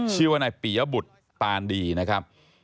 ชื่อว่านายปียบุตรปานดีนะครับ